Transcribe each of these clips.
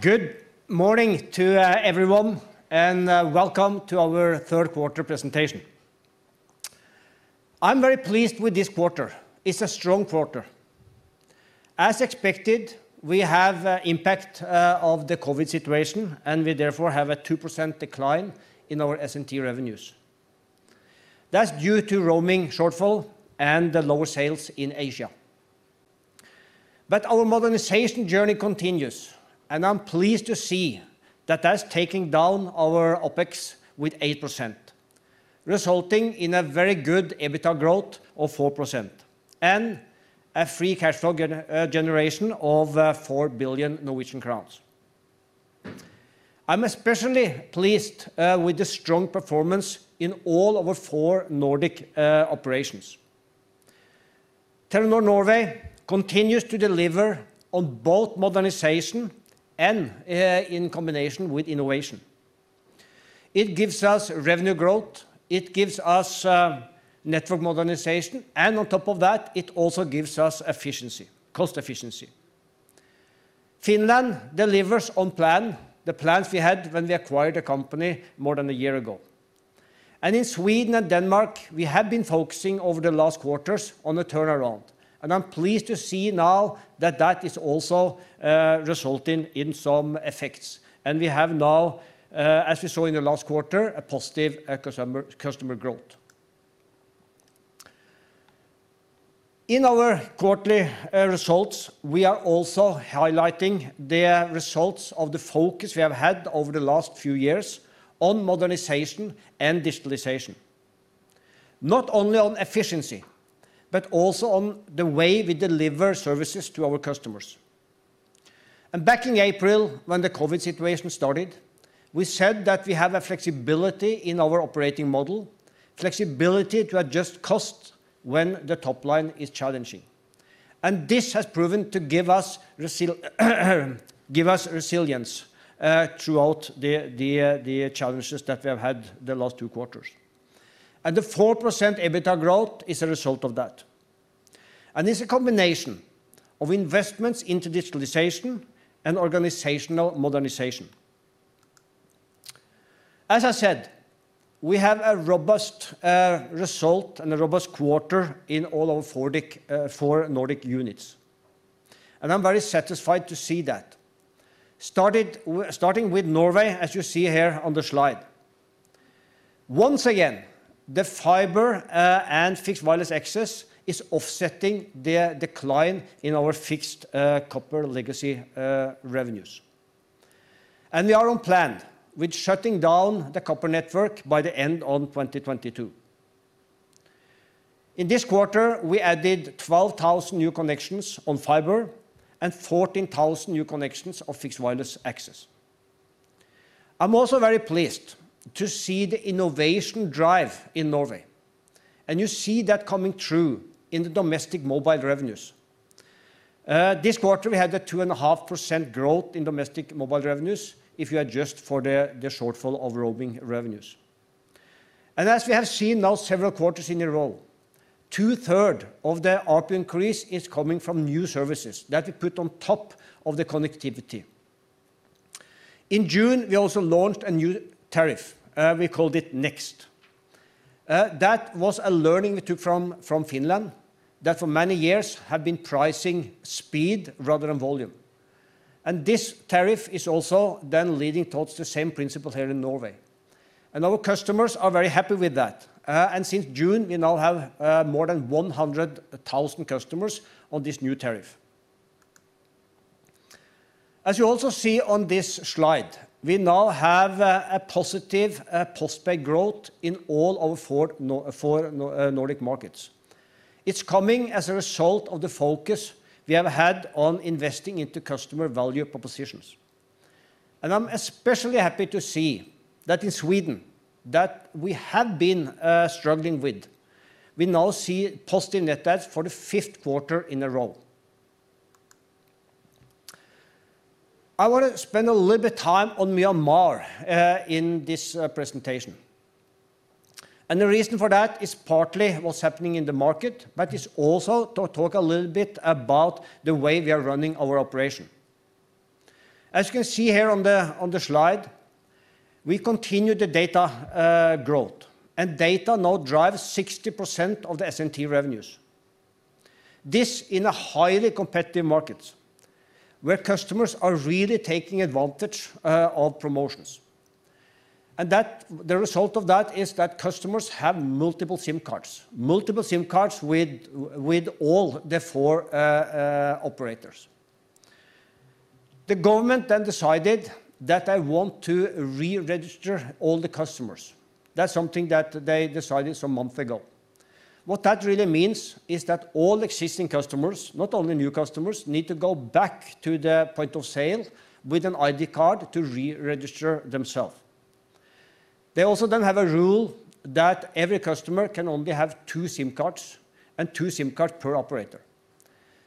Good morning to everyone. Welcome to our Third Quarter Presentation. I'm very pleased with this quarter. It's a strong quarter. As expected, we have impact of the COVID-19 situation, and we therefore have a 2% decline in our S&T revenues. That's due to roaming shortfall and the lower sales in Asia. Our modernization journey continues, and I'm pleased to see that that's taking down our OpEx with 8%, resulting in a very good EBITDA growth of 4% and a free cash flow generation of 4 billion Norwegian crowns. I'm especially pleased with the strong performance in all our four Nordic operations. Telenor Norway continues to deliver on both modernization and in combination with innovation. It gives us revenue growth, it gives us network modernization, and on top of that, it also gives us cost efficiency. Finland delivers on plan, the plans we had when we acquired the company more than a year ago. In Sweden and Denmark, we have been focusing over the last quarters on the turnaround. I'm pleased to see now that that is also resulting in some effects. We have now, as we saw in the last quarter, a positive customer growth. In our quarterly results, we are also highlighting the results of the focus we have had over the last few years on modernization and digitalization. Not only on efficiency, but also on the way we deliver services to our customers. Back in April, when the COVID situation started, we said that we have a flexibility in our operating model, flexibility to adjust cost when the top line is challenging. This has proven to give us resilience throughout the challenges that we have had the last two quarters. The 4% EBITDA growth is a result of that. It's a combination of investments into digitalization and organizational modernization. As I said, we have a robust result and a robust quarter in all our four Nordic units, and I'm very satisfied to see that. Starting with Norway, as you see here on the slide. Once again, the fiber and fixed wireless access is offsetting the decline in our fixed copper legacy revenues. We are on plan with shutting down the copper network by the end of 2022. In this quarter, we added 12,000 new connections on fiber and 14,000 new connections of fixed wireless access. I'm also very pleased to see the innovation drive in Norway, and you see that coming through in the domestic mobile revenues. This quarter, we had a 2.5% growth in domestic mobile revenues, if you adjust for the shortfall of roaming revenues. As we have seen now several quarters in a row, two-third of the ARPU increase is coming from new services that we put on top of the connectivity. In June, we also launched a new tariff. We called it Next. That was a learning we took from Finland, that for many years have been pricing speed rather than volume. This tariff is also then leading towards the same principle here in Norway. Our customers are very happy with that. Since June, we now have more than 100,000 customers on this new tariff. As you also see on this slide, we now have a positive postpay growth in all our four Nordic markets. It's coming as a result of the focus we have had on investing into customer value propositions. I'm especially happy to see that in Sweden, that we have been struggling with. We now see positive net adds for the fifth quarter in a row. I want to spend a little bit time on Myanmar in this presentation. The reason for that is partly what's happening in the market, but it's also to talk a little bit about the way we are running our operation. As you can see here on the slide, we continue the data growth. Data now drives 60% of the S&T revenues. This in a highly competitive market, where customers are really taking advantage of promotions. The result of that is that customers have multiple SIM cards. Multiple SIM cards with all the four operators. The government then decided that they want to re-register all the customers. That's something that they decided some month ago. What that really means is that all existing customers, not only new customers, need to go back to the point of sale with an ID card to re-register themselves. They also then have a rule that every customer can only have two SIM cards and two SIM cards per operator.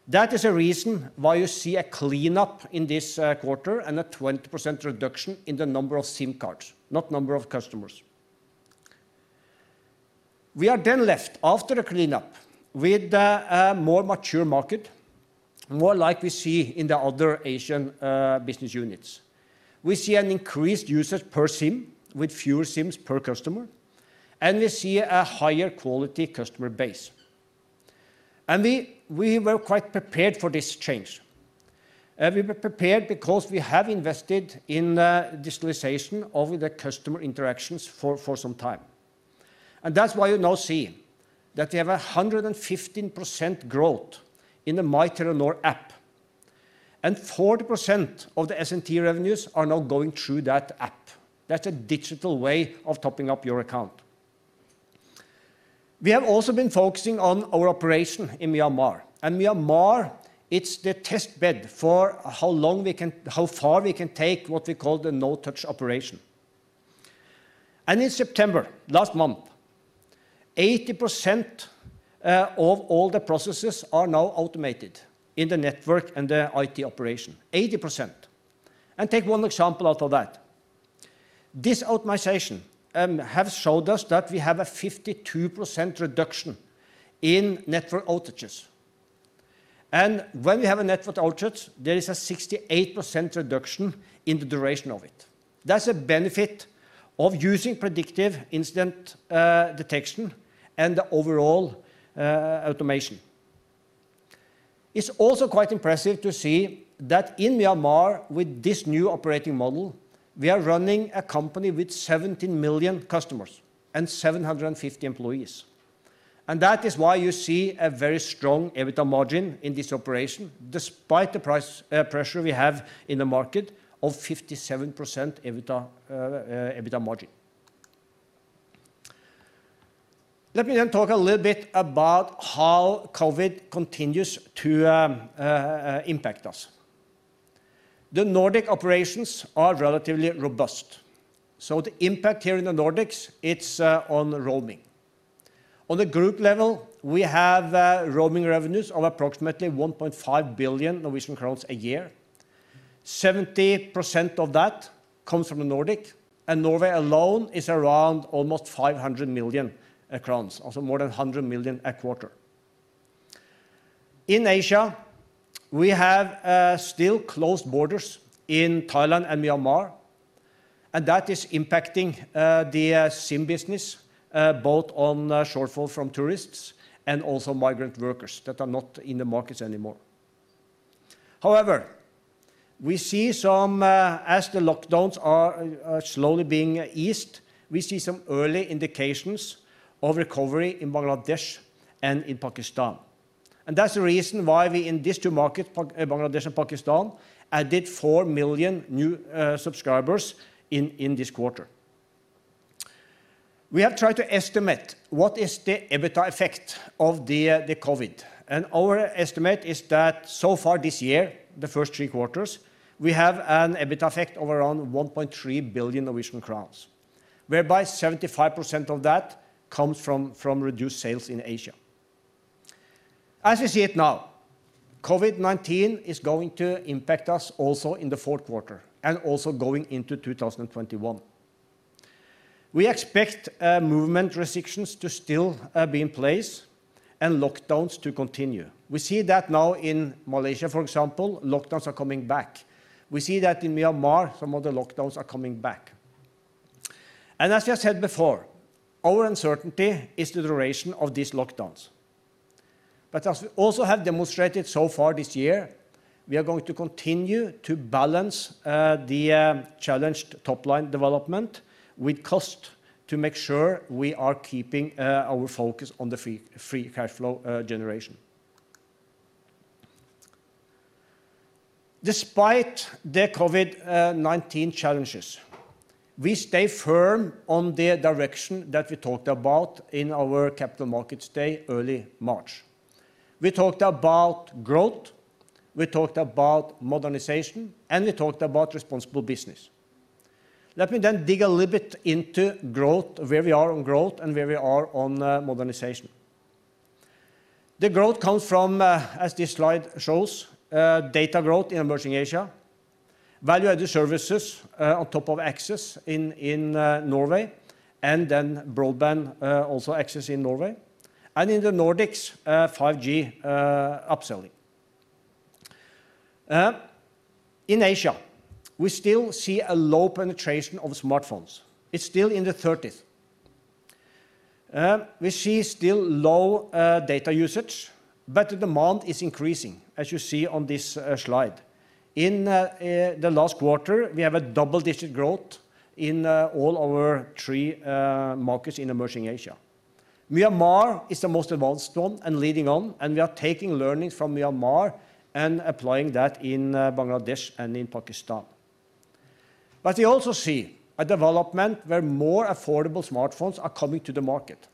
That is a reason why you see a cleanup in this quarter and a 20% reduction in the number of SIM cards, not number of customers. We are then left after a cleanup with a more mature market, more like we see in the other Asian business units. We see an increased usage per SIM with fewer SIMs per customer, and we see a higher quality customer base. We were quite prepared for this change. We were prepared because we have invested in digitalization of the customer interactions for some time. That's why you now see that we have 115% growth in the My Telenor app. 40% of the S&T revenues are now going through that app. That's a digital way of topping up your account. We have also been focusing on our operation in Myanmar. Myanmar, it's the test bed for how far we can take what we call the no-touch operation. In September, last month, 80% of all the processes are now automated in the network and the IT operation. 80%. Take one example out of that. This optimization have showed us that we have a 52% reduction in network outages. When we have a network outage, there is a 68% reduction in the duration of it. That's a benefit of using predictive incident detection and the overall automation. It's also quite impressive to see that in Myanmar with this new operating model, we are running a company with 17 million customers and 750 employees. That is why you see a very strong EBITDA margin in this operation despite the price pressure we have in the market of 57% EBITDA margin. Let me talk a little bit about how COVID continues to impact us. The Nordic operations are relatively robust. The impact here in the Nordics, it's on roaming. On the group level, we have roaming revenues of approximately 1.5 billion Norwegian crowns a year. 70% of that comes from the Nordic, and Norway alone is around almost 500 million crowns. Also more than 100 million a quarter. In Asia, we have still closed borders in Thailand and Myanmar, that is impacting the SIM business, both on shortfall from tourists and also migrant workers that are not in the markets anymore. However, as the lockdowns are slowly being eased, we see some early indications of recovery in Bangladesh and in Pakistan. That's the reason why we in these two markets, Bangladesh and Pakistan, added 4 million new subscribers in this quarter. We have tried to estimate what is the EBITDA effect of the COVID. Our estimate is that so far this year, the first three quarters, we have an EBITDA effect of around 1.3 billion Norwegian crowns, whereby 75% of that comes from reduced sales in Asia. As we see it now, COVID-19 is going to impact us also in the fourth quarter and also going into 2021. We expect movement restrictions to still be in place and lockdowns to continue. We see that now in Malaysia, for example, lockdowns are coming back. We see that in Myanmar, some of the lockdowns are coming back. As we have said before, our uncertainty is the duration of these lockdowns. As we also have demonstrated so far this year, we are going to continue to balance the challenged top-line development with cost to make sure we are keeping our focus on the free cash flow generation. Despite the COVID-19 challenges, we stay firm on the direction that we talked about in our Capital Markets Day early March. We talked about growth, we talked about modernization, and we talked about responsible business. Let me dig a little bit into growth, where we are on growth and where we are on modernization. The growth comes from, as this slide shows, data growth in emerging Asia, value-added services on top of access in Norway, and then broadband also access in Norway, and in the Nordics, 5G upselling. In Asia, we still see a low penetration of smartphones. It's still in the 30s. We still see low data usage, but the demand is increasing, as you see on this slide. In the last quarter, we have a double-digit growth in all our three markets in emerging Asia. Myanmar is the most advanced one and leading one, and we are taking learnings from Myanmar and applying that in Bangladesh and in Pakistan. We also see a development where more affordable smartphones are coming to the market.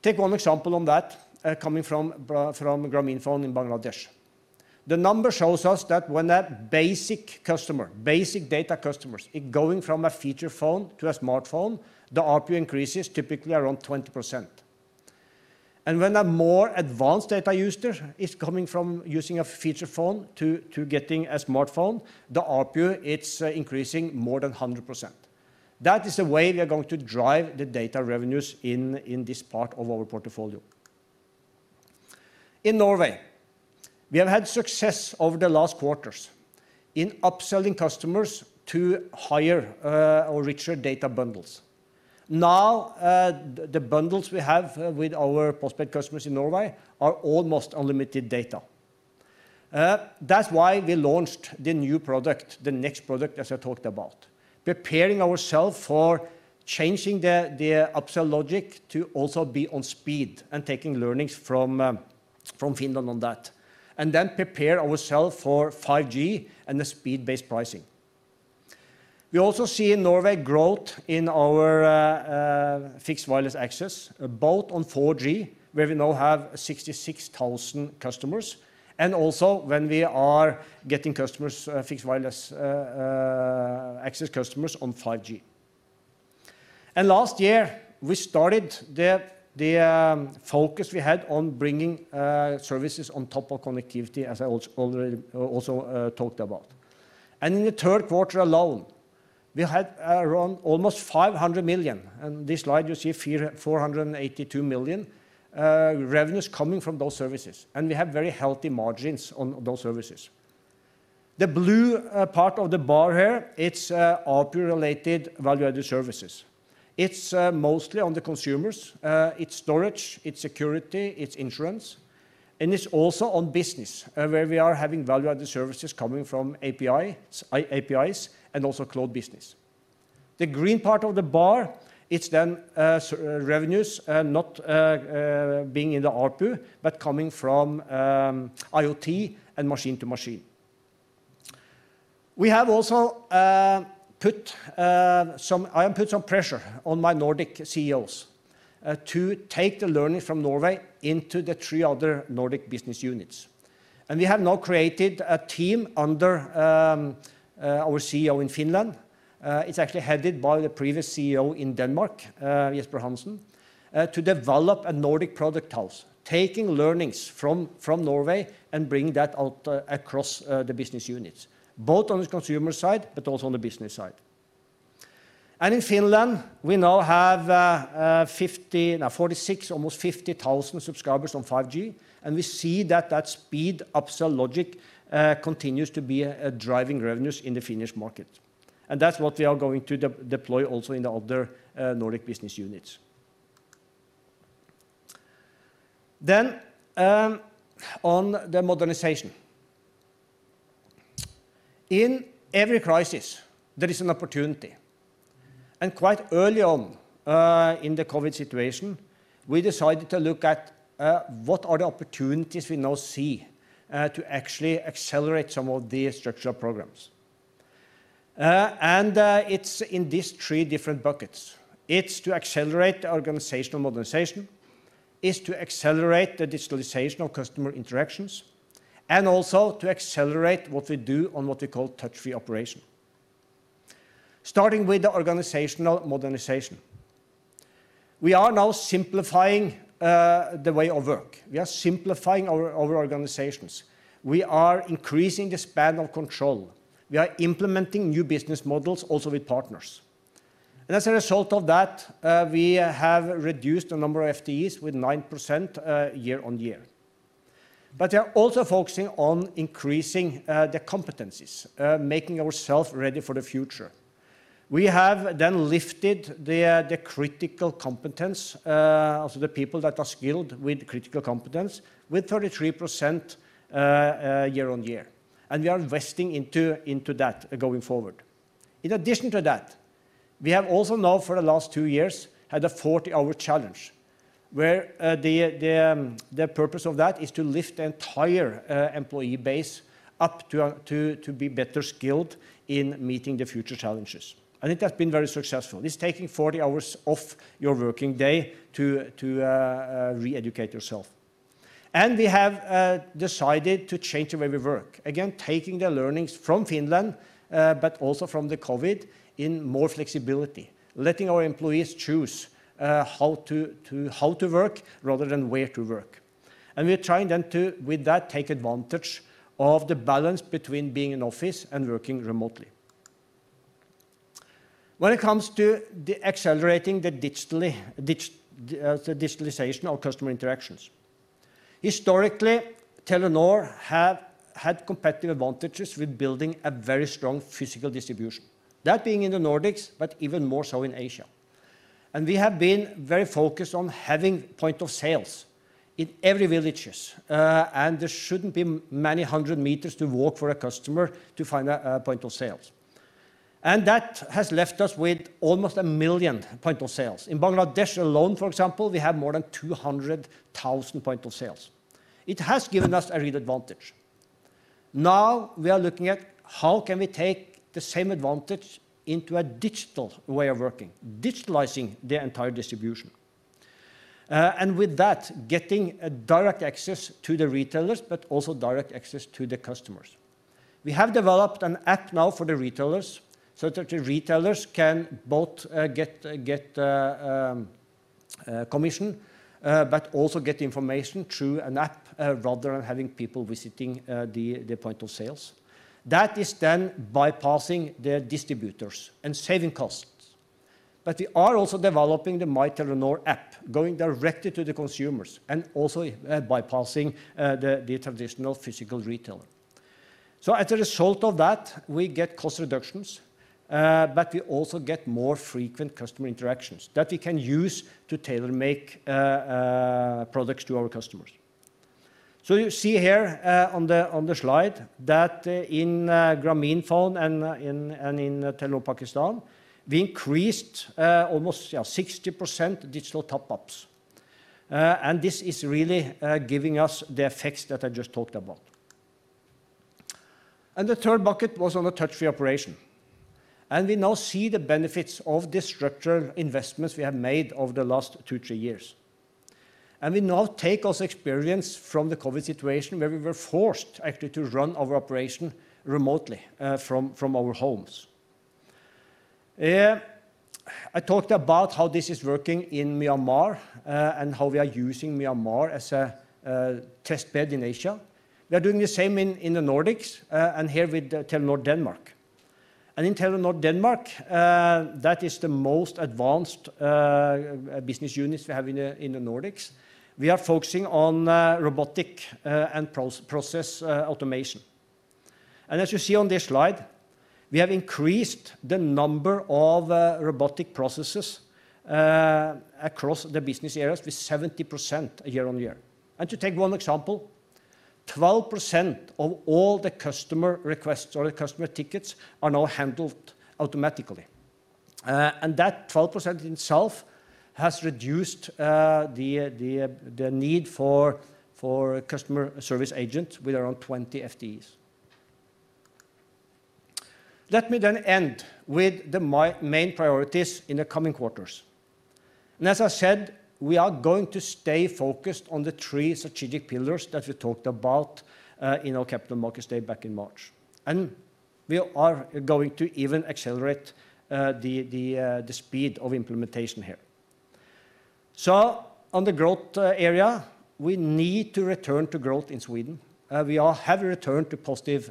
Take one example on that, coming from Grameenphone in Bangladesh. The number shows us that when that basic customer, basic data customers, going from a feature phone to a smartphone, the ARPU increases typically around 20%. When a more advanced data user is coming from using a feature phone to getting a smartphone, the ARPU, it's increasing more than 100%. That is the way we are going to drive the data revenues in this part of our portfolio. In Norway, we have had success over the last quarters in upselling customers to higher or richer data bundles. Now, the bundles we have with our pospaidt customers in Norway are almost unlimited data. That's why we launched the new product, the Next product, as I talked about. Preparing ourselves for changing the upsell logic to also be on speed and taking learnings from Finland on that. Then prepare ourselves for 5G and the speed-based pricing. We also see in Norway growth in our fixed wireless access, both on 4G, where we now have 66,000 customers, and also when we are getting fixed wireless access customers on 5G. Last year we started the focus we had on bringing services on top of connectivity, as I also talked about. In the third quarter alone, we had around almost 500 million. In this slide, you see 482 million revenues coming from those services. We have very healthy margins on those services. The blue part of the bar here, it's ARPU-related value-added services. It's mostly on the consumers. It's storage, it's security, it's insurance. It's also on business, where we are having value-added services coming from APIs and also cloud business. The green part of the bar, it's then revenues not being in the ARPU, but coming from IoT and machine-to-machine. I have put some pressure on my Nordic CEOs to take the learning from Norway into the three other Nordic business units. We have now created a team under our CEO in Finland. It's actually headed by the previous CEO in Denmark, Jesper Hansen, to develop a Nordic product house, taking learnings from Norway and bringing that out across the business units, both on the consumer side, but also on the business side. In Finland, we now have 46,000, almost 50,000 subscribers on 5G. We see that that speed upsell logic continues to be driving revenues in the Finnish market. That's what we are going to deploy also in the other Nordic business units. On the modernization. In every crisis, there is an opportunity. Quite early on in the COVID-19 situation, we decided to look at what are the opportunities we now see to actually accelerate some of the structural programs. It's in these three different buckets. It's to accelerate the organizational modernization. It's to accelerate the digitalization of customer interactions. Also to accelerate what we do on what we call touch-free operation. Starting with the organizational modernization. We are now simplifying the way of work. We are simplifying our organizations. We are increasing the span of control. We are implementing new business models also with partners. As a result of that, we have reduced the number of FTEs with 9% year-on-year. We are also focusing on increasing the competencies, making ourselves ready for the future. We have lifted the critical competence of the people that are skilled with critical competence with 33% year-on-year. We are investing into that going forward. In addition to that, we have also now for the last two years had a 40-hour challenge, where the purpose of that is to lift the entire employee base up to be better skilled in meeting the future challenges. It has been very successful. It's taking 40 hours off your working day to re-educate yourself. We have decided to change the way we work, again, taking the learnings from Finland, but also from the COVID, in more flexibility. Letting our employees choose how to work rather than where to work. We are trying then to, with that, take advantage of the balance between being in office and working remotely. When it comes to accelerating the digitalization of customer interactions, historically, Telenor have had competitive advantages with building a very strong physical distribution. That being in the Nordics, but even more so in Asia. We have been very focused on having point of sales in every villages. There shouldn't be many 100 meters to walk for a customer to find a point of sales. That has left us with almost 1 million point of sales. In Bangladesh alone, for example, we have more than 200,000 point of sales. It has given us a real advantage. Now we are looking at how can we take the same advantage into a digital way of working, digitalizing the entire distribution. With that, getting direct access to the retailers, but also direct access to the customers. We have developed an app now for the retailers, so that the retailers can both get commission, but also get information through an app, rather than having people visiting the point of sales. That is then bypassing their distributors and saving costs. We are also developing the My Telenor app, going directly to the consumers, and also bypassing the traditional physical retailer. As a result of that, we get cost reductions, but we also get more frequent customer interactions that we can use to tailor-make products to our customers. You see here on the slide that in Grameenphone and in Telenor Pakistan, we increased almost 60% digital top-ups. This is really giving us the effects that I just talked about. The third bucket was on the Touch-free operation. We now see the benefits of the structural investments we have made over the last two, three years. We now take this experience from the COVID situation where we were forced actually to run our operation remotely from our homes. I talked about how this is working in Myanmar, and how we are using Myanmar as a test bed in Asia. We are doing the same in the Nordics, and here with Telenor Denmark. In Telenor Denmark, that is the most advanced business unit we have in the Nordics. We are focusing on robotic and process automation. As you see on this slide, we have increased the number of robotic processes across the business areas with 70% year-on-year. To take one example, 12% of all the customer requests or the customer tickets are now handled automatically. That 12% itself has reduced the need for customer service agents with around 20 FTEs. Let me end with my main priorities in the coming quarters. As I said, we are going to stay focused on the three strategic pillars that we talked about in our Capital Markets Day back in March. We are going to even accelerate the speed of implementation here. On the growth area, we need to return to growth in Sweden. We have returned to positive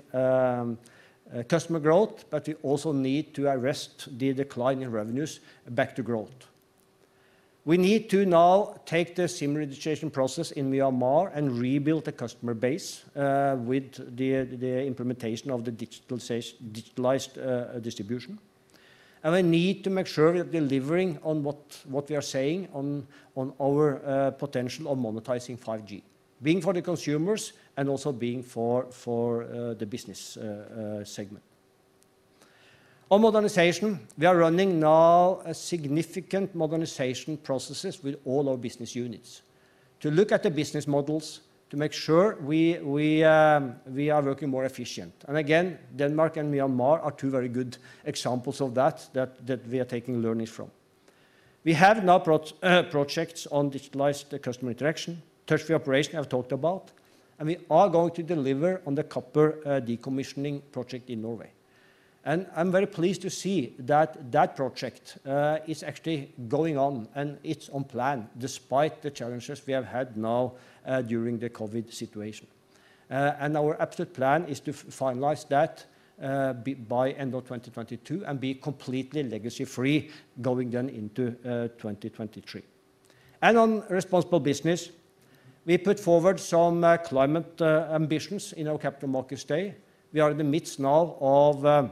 customer growth, but we also need to arrest the decline in revenues back to growth. We need to now take the SIM registration process in Myanmar and rebuild the customer base with the implementation of the digitalized distribution. We need to make sure we are delivering on what we are saying on our potential on monetizing 5G, being for the consumers and also being for the business segment. On modernization, we are running now a significant modernization processes with all our business units to look at the business models to make sure we are working more efficient. Again, Denmark and Myanmar are two very good examples of that we are taking learnings from. We have now projects on digitalized customer interaction, touch-free operation I've talked about, and we are going to deliver on the copper decommissioning project in Norway. I'm very pleased to see that that project is actually going on and it's on plan despite the challenges we have had now during the COVID situation. Our absolute plan is to finalize that by end of 2022 and be completely legacy-free going then into 2023. On responsible business, we put forward some climate ambitions in our Capital Markets Day. We are in the midst now of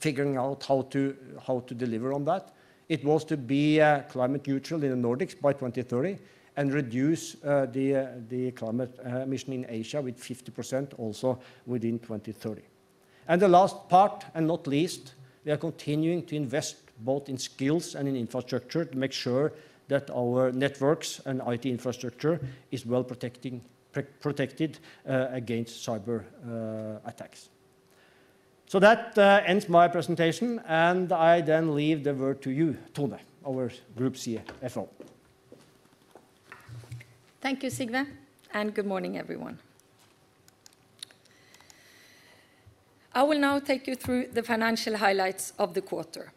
figuring out how to deliver on that. It was to be climate neutral in the Nordics by 2030 and reduce the climate emission in Asia with 50% also within 2030. The last part, and not least, we are continuing to invest both in skills and in infrastructure to make sure that our networks and IT infrastructure is well-protected against cyber attacks. That ends my presentation, and I then leave the word to you, Tone, our Group CFO. Thank you, Sigve, and good morning, everyone. I will now take you through the financial highlights of the quarter.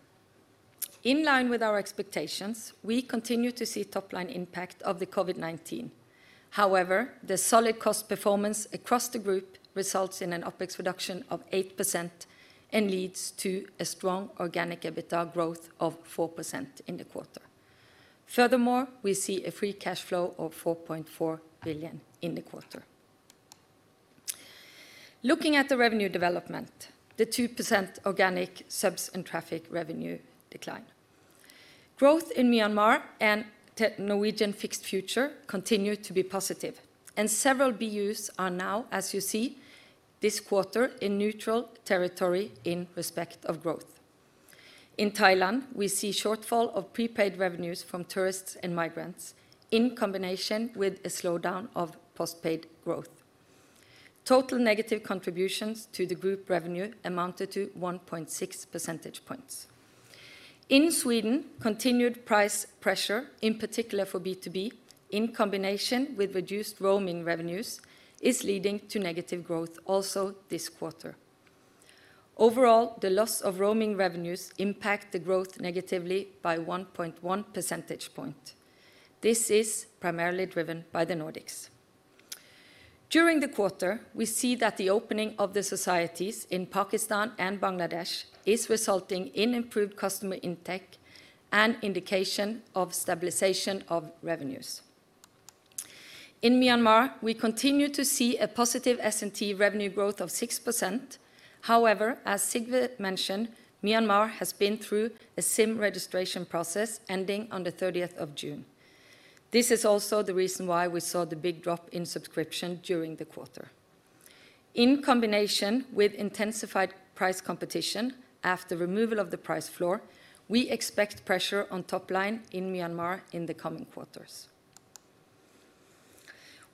In line with our expectations, we continue to see top-line impact of the COVID-19. However, the solid cost performance across the group results in an OpEx reduction of 8% and leads to a strong organic EBITDA growth of 4% in the quarter. Furthermore, we see a free cash flow of 4.4 billion in the quarter. Looking at the revenue development, the 2% organic subs and traffic revenue decline. Growth in Myanmar and Norwegian fixed future continue to be positive, and several BUs are now, as you see, this quarter in neutral territory in respect of growth. In Thailand, we see shortfall of prepaid revenues from tourists and migrants in combination with a slowdown of postpaid growth. Total negative contributions to the group revenue amounted to 1.6 percentage points. In Sweden, continued price pressure, in particular for B2B, in combination with reduced roaming revenues, is leading to negative growth also this quarter. Overall, the loss of roaming revenues impact the growth negatively by 1.1 percentage point. This is primarily driven by the Nordics. During the quarter, we see that the opening of the societies in Pakistan and Bangladesh is resulting in improved customer intake and indication of stabilization of revenues. In Myanmar, we continue to see a positive S&T revenue growth of 6%. As Sigve mentioned, Myanmar has been through a SIM registration process ending on the 30th of June. This is also the reason why we saw the big drop in subscription during the quarter. In combination with intensified price competition after removal of the price floor, we expect pressure on top line in Myanmar in the coming quarters.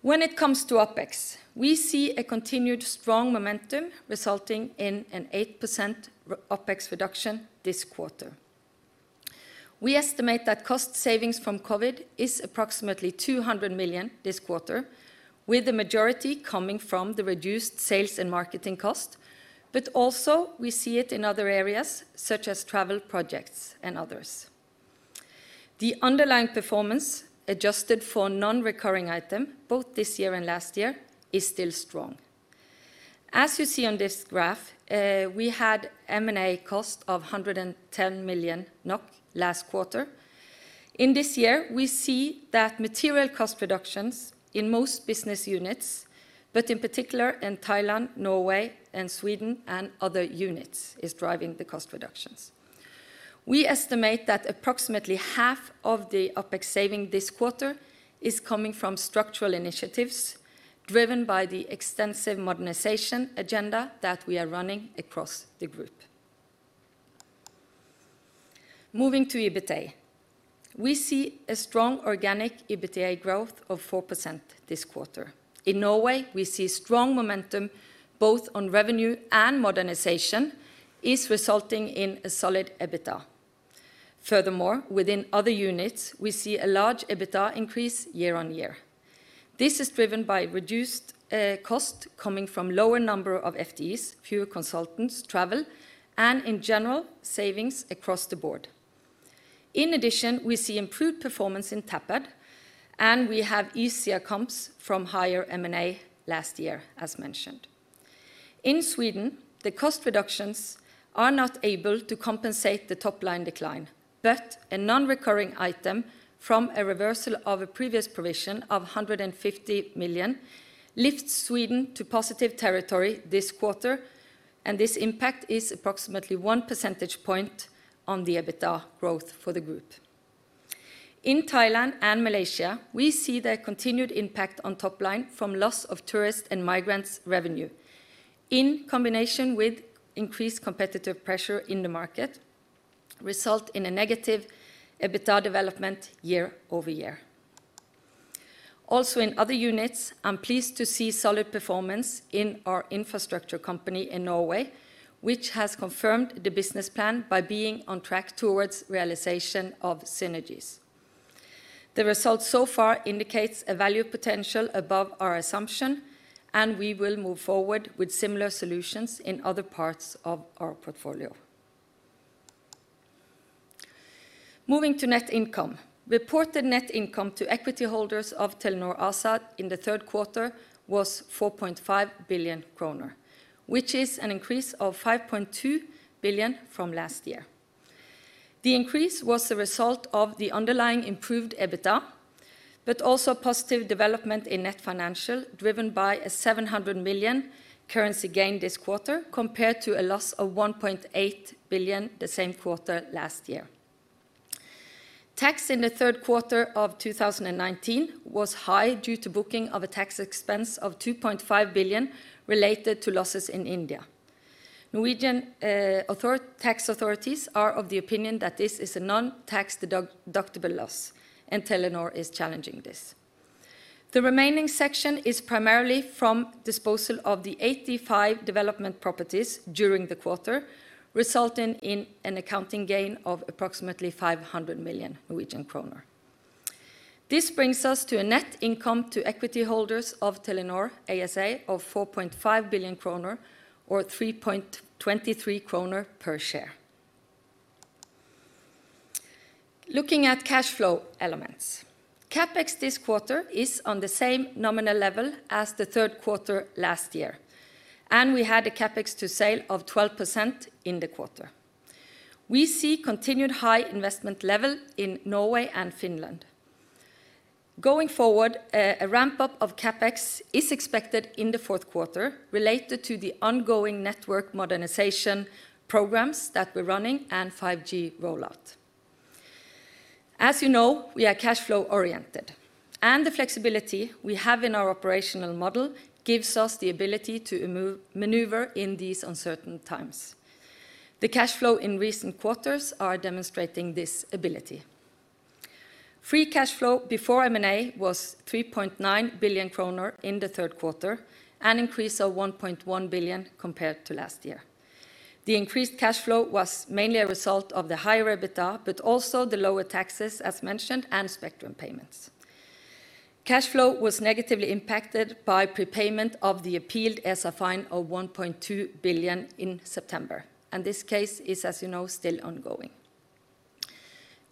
When it comes to OpEx, we see a continued strong momentum resulting in an 8% OpEx reduction this quarter. We estimate that cost savings from COVID is approximately 200 million this quarter, with the majority coming from the reduced sales and marketing cost. Also we see it in other areas such as travel projects and others. The underlying performance, adjusted for non-recurring item, both this year and last year, is still strong. As you see on this graph, we had M&A cost of 110 million NOK last quarter. In this year, we see that material cost reductions in most business units, but in particular in Thailand, Norway and Sweden and other units, is driving the cost reductions. We estimate that approximately half of the OpEx saving this quarter is coming from structural initiatives driven by the extensive modernization agenda that we are running across the group. Moving to EBITA. We see a strong organic EBITA growth of 4% this quarter. In Norway, we see strong momentum, both on revenue and modernization, is resulting in a solid EBITA. Furthermore, within other units, we see a large EBITA increase year on year. This is driven by reduced cost coming from lower number of FTEs, fewer consultants, travel, and in general, savings across the board. In addition, we see improved performance in Tapad, and we have easier comps from higher M&A last year, as mentioned. In Sweden, the cost reductions are not able to compensate the top-line decline. A non-recurring item from a reversal of a previous provision of 150 million lifts Sweden to positive territory this quarter. This impact is approximately one percentage point on the EBITA growth for the group. In Thailand and Malaysia, we see the continued impact on top-line from loss of tourist and migrants revenue. In combination with increased competitive pressure in the market result in a negative EBITA development year-over-year. Also in other units, I'm pleased to see solid performance in our infrastructure company in Norway, which has confirmed the business plan by being on track towards realization of synergies. The results so far indicates a value potential above our assumption. We will move forward with similar solutions in other parts of our portfolio. Moving to net income. Reported net income to equity holders of Telenor ASA in the third quarter was 4.5 billion kroner, which is an increase of 5.2 billion from last year. The increase was the result of the underlying improved EBITA, but also positive development in net financial, driven by a 700 million currency gain this quarter, compared to a loss of 1.8 billion the same quarter last year. Tax in the third quarter of 2019 was high due to booking of a tax expense of 2.5 billion related to losses in India. Norwegian tax authorities are of the opinion that this is a non-tax deductible loss, and Telenor is challenging this. The remaining section is primarily from disposal of the 85 development properties during the quarter, resulting in an accounting gain of approximately 500 million Norwegian kroner. This brings us to a net income to equity holders of Telenor ASA of 4.5 billion kroner, or 3.23 kroner per share. Looking at cash flow elements. CapEx this quarter is on the same nominal level as the third quarter last year, and we had a CapEx to sale of 12% in the quarter. We see continued high investment level in Norway and Finland. Going forward, a ramp-up of CapEx is expected in the fourth quarter related to the ongoing network modernization programs that we're running and 5G rollout. As you know, we are cash flow oriented, and the flexibility we have in our operational model gives us the ability to maneuver in these uncertain times. The cash flow in recent quarters are demonstrating this ability. Free cash flow before M&A was 3.9 billion kroner in the third quarter, an increase of 1.1 billion compared to last year. The increased cash flow was mainly a result of the higher EBITDA, but also the lower taxes, as mentioned, and spectrum payments. Cash flow was negatively impacted by prepayment of the appealed ESA fine of 1.2 billion in September, and this case is, as you know, still ongoing.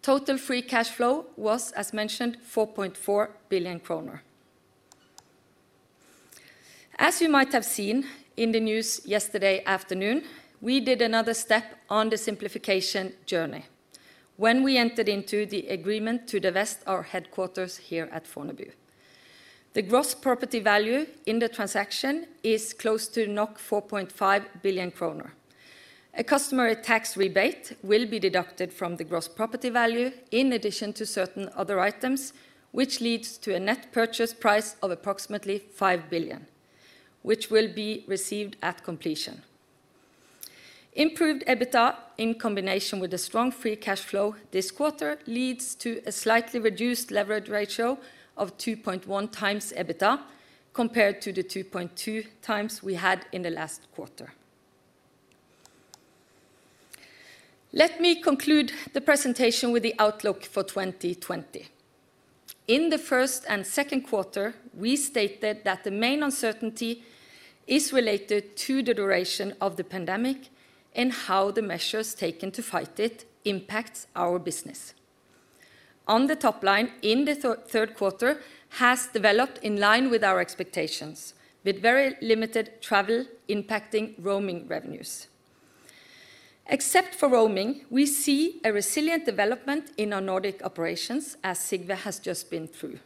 Total free cash flow was, as mentioned, 4.4 billion kroner. As you might have seen in the news yesterday afternoon, we did another step on the simplification journey when we entered into the agreement to divest our headquarters here at Fornebu. The gross property value in the transaction is close to 4.5 billion kroner. A customary tax rebate will be deducted from the gross property value in addition to certain other items, which leads to a net purchase price of approximately 5 billion, which will be received at completion. Improved EBITDA in combination with a strong free cash flow this quarter leads to a slightly reduced leverage ratio of 2.1 times EBITDA compared to the 2.2 times we had in the last quarter. Let me conclude the presentation with the outlook for 2020. In the first and second quarter, we stated that the main uncertainty is related to the duration of the pandemic and how the measures taken to fight it impacts our business. On the top line in the third quarter has developed in line with our expectations, with very limited travel impacting roaming revenues. Except for roaming, we see a resilient development in our Nordic operations, as Sigve has just been through.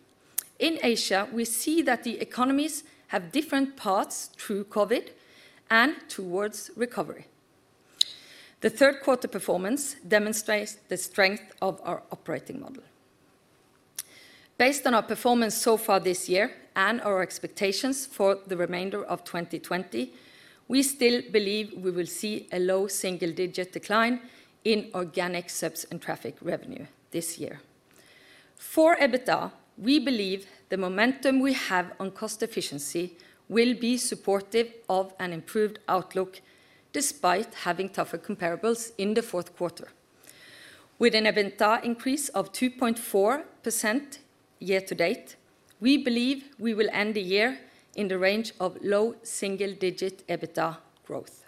In Asia, we see that the economies have different paths through COVID and towards recovery. The third quarter performance demonstrates the strength of our operating model. Based on our performance so far this year and our expectations for the remainder of 2020, we still believe we will see a low single-digit decline in organic subs and traffic revenue this year. For EBITDA, we believe the momentum we have on cost efficiency will be supportive of an improved outlook despite having tougher comparables in the fourth quarter. With an EBITDA increase of 2.4% year to date, we believe we will end the year in the range of low single-digit EBITDA growth.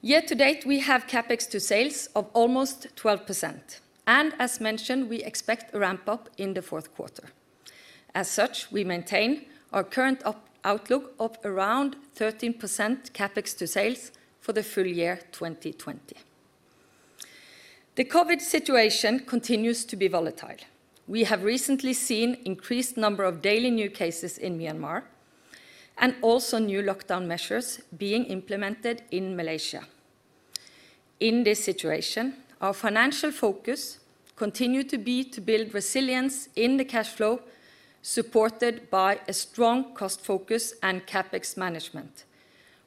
Year to date, we have CapEx to sales of almost 12%, and as mentioned, we expect a ramp-up in the fourth quarter. We maintain our current outlook of around 13% CapEx to sales for the full year 2020. The COVID situation continues to be volatile. We have recently seen increased number of daily new cases in Myanmar and also new lockdown measures being implemented in Malaysia. In this situation, our financial focus continue to be to build resilience in the cash flow, supported by a strong cost focus and CapEx management,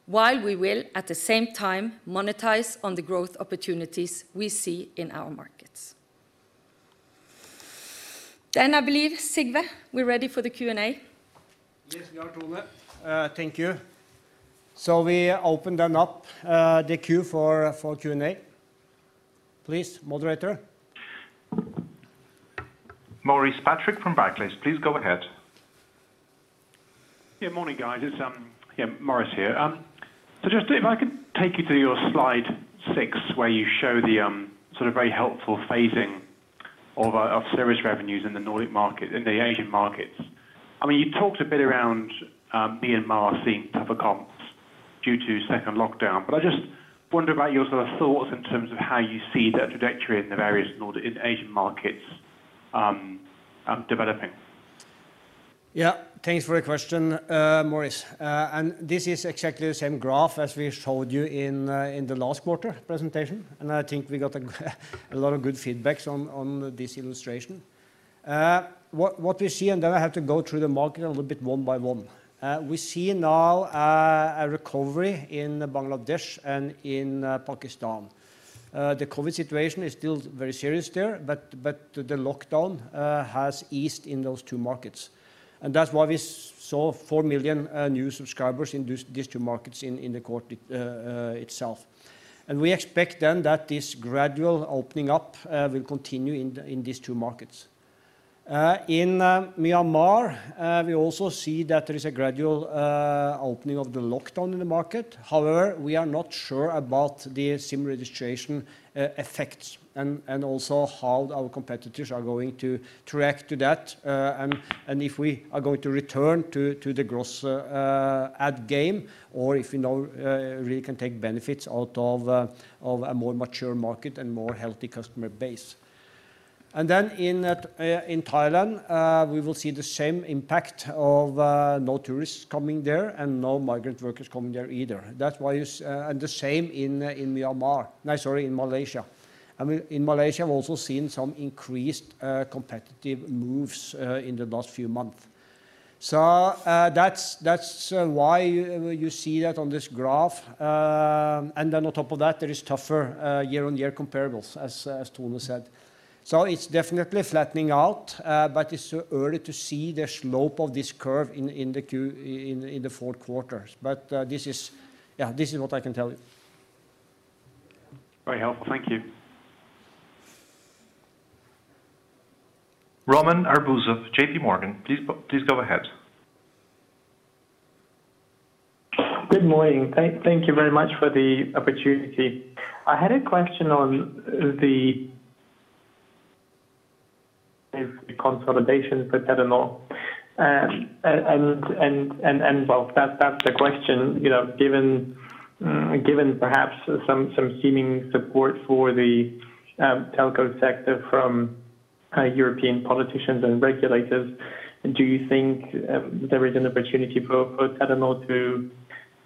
while we will at the same time monetize on the growth opportunities we see in our markets. I believe, Sigve, we're ready for the Q&A. Yes, we are, Tone. Thank you. We open them up, the queue for Q&A. Please, moderator. Maurice Patrick from Barclays, please go ahead. Yeah. Morning, guys. It's Maurice here. Just if I could take you to your slide six, where you show the very helpful phasing of service revenues in the Asian markets. You talked a bit around Myanmar seeing tougher comps due to second lockdown, but I just wonder about your thoughts in terms of how you see the trajectory in the various Asian markets developing. Yeah. Thanks for your question, Maurice. This is exactly the same graph as we showed you in the last quarter presentation, and I think we got a lot of good feedbacks on this illustration. What we see, then I have to go through the market a little bit one by one. We see now a recovery in Bangladesh and in Pakistan. The COVID situation is still very serious there, the lockdown has eased in those two markets, and that's why we saw 4 million new subscribers in these two markets in the quarter itself. We expect then that this gradual opening up will continue in these two markets. In Myanmar, we also see that there is a gradual opening of the lockdown in the market. We are not sure about the SIM registration effects and also how our competitors are going to react to that and if we are going to return to the gross add game or if we now really can take benefits out of a more mature market and more healthy customer base. In Thailand, we will see the same impact of no tourists coming there and no migrant workers coming there either. The same in Myanmar. No, sorry, in Malaysia. In Malaysia, we've also seen some increased competitive moves in the last few months. That's why you see that on this graph. On top of that, there is tougher year-on-year comparables, as Tone said. It's definitely flattening out, but it's too early to see the slope of this curve in the fourth quarter. This is what I can tell you. Very helpful. Thank you. Roman Arbuzov, JPMorgan, please go ahead. Good morning. Thank you very much for the opportunity. I had a question on the consolidation for Telenor. Well, that's the question. Given perhaps some seeming support for the telecom sector from European politicians and regulators, do you think there is an opportunity for Telenor to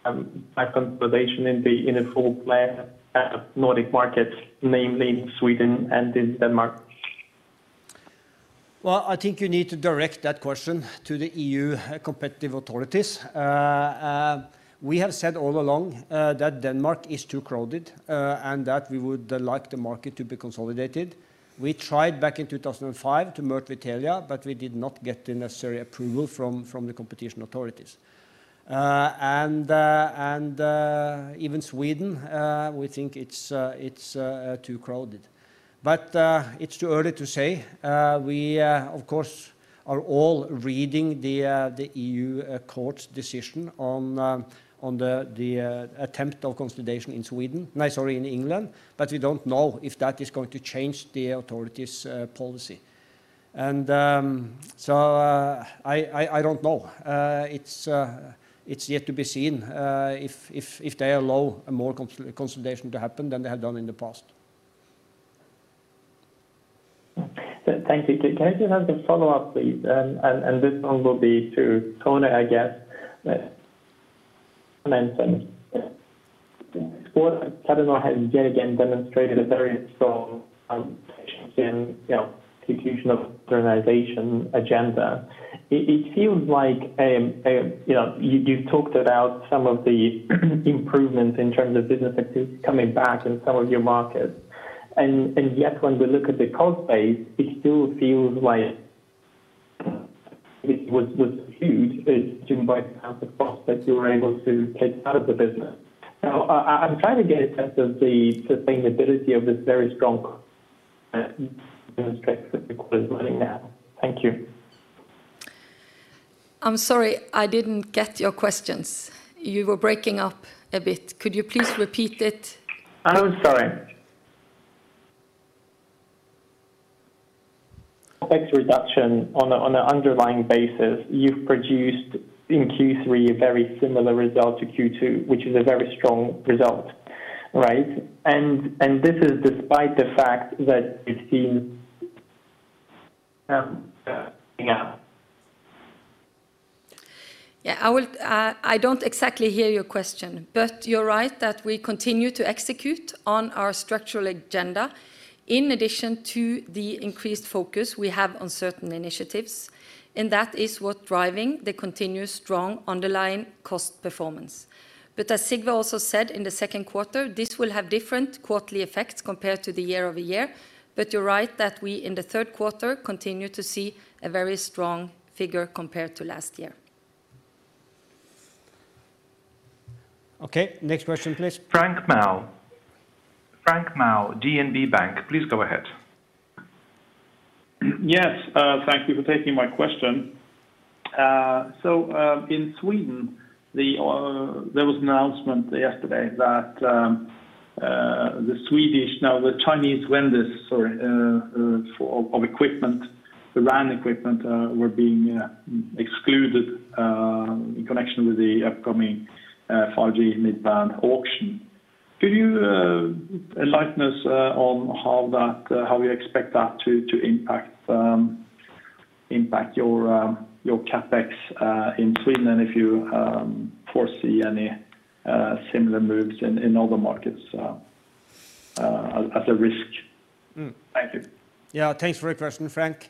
have consolidation in the full play Nordic markets, namely in Sweden and in Denmark? I think you need to direct that question to the EU competitive authorities. We have said all along that Denmark is too crowded and that we would like the market to be consolidated. We tried back in 2005 to merge with Telia, but we did not get the necessary approval from the competition authorities. Even Sweden, we think it's too crowded. It's too early to say. We, of course, are all reading the EU court's decision on the attempt of consolidation in Sweden. No, sorry, in England, but we don't know if that is going to change the authorities' policy. I don't know. It's yet to be seen if they allow more consolidation to happen than they have done in the past. Thank you. Can I just have the follow-up, please? This one will be to Tone, I guess. Telenor has yet again demonstrated a very strong execution of the organization agenda. It feels like you talked about some of the improvements in terms of business activity coming back in some of your markets. Yet when we look at the cost base, it still feels like it was huge the cost that you were able to take out of the business. Now, I'm trying to get a sense of the sustainability of this very strong cost demonstrated in the quarter's earnings now. Thank you. I'm sorry, I didn't get your questions. You were breaking up a bit. Could you please repeat it? Oh, sorry. CapEx reduction on an underlying basis, you've produced in Q3 a very similar result to Q2, which is a very strong result, right, this is despite the fact that you've seen? Yeah, I don't exactly hear your question, you're right that we continue to execute on our structural agenda. In addition to the increased focus we have on certain initiatives, that is what's driving the continuous strong underlying cost performance. As Sigve also said in the second quarter, this will have different quarterly effects compared to the year-over-year. You're right that we, in the third quarter, continue to see a very strong figure compared to last year. Okay. Next question, please Frank Maaø. Frank Maaø DNB Markets, please go ahead. Yes, thank you for taking my question. In Sweden, there was an announcement yesterday that the Swedish, no, the Chinese vendors, sorry, of equipment, the RAN equipment were being excluded in connection with the upcoming 5G mid-band auction. Could you enlighten us on how you expect that to impact your CapEx in Sweden, and if you foresee any similar moves in other markets as a risk? Thank you. Thanks for your question, Frank.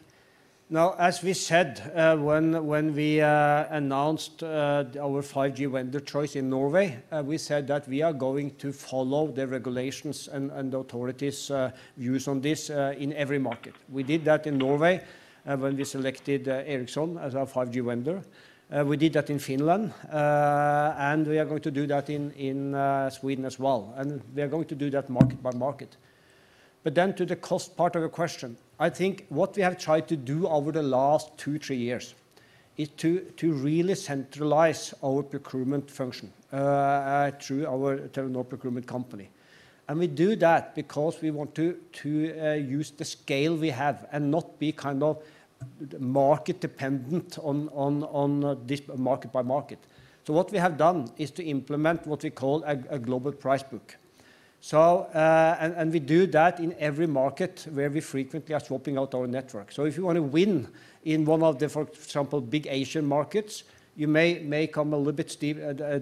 As we said when we announced our 5G vendor choice in Norway, we said that we are going to follow the regulations and authorities' views on this in every market. We did that in Norway when we selected Ericsson as our 5G vendor. We did that in Finland, we are going to do that in Sweden as well. We are going to do that market by market. To the cost part of your question, I think what we have tried to do over the last two, three years is to really centralize our procurement function through our Telenor Procurement Company. We do that because we want to use the scale we have and not be market-dependent on this market by market. What we have done is to implement what we call a global price book. We do that in every market where we frequently are swapping out our network. If you want to win in one of the, for example, big Asian markets, you may come a little bit